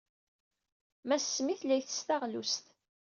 Mass Smith la ittess taɣlust.